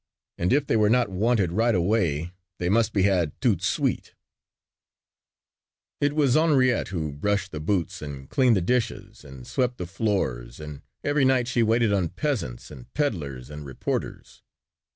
And if they were not wanted right away they must be had "toute de suite." It was Henriette who brushed the boots and cleaned the dishes and swept the floors and every night she waited on peasants and peddlers and reporters.